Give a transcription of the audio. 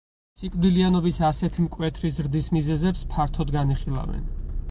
სიკვდილიანობის ასეთი მკვეთრი ზრდის მიზეზებს ფართოდ განიხილავენ.